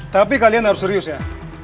tapi kalian harus serius ya